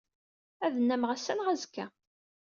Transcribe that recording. Ad nnammeɣ ass-a neɣ azekka.